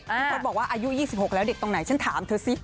พี่พศบอกว่าอายุ๒๖แล้วเด็กตรงไหนฉันถามเธอสิ